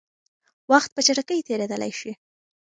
وخت په چټکۍ تېرېدلی شي.